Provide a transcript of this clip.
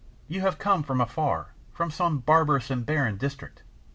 You have come from afar, from some barbarous and barren district.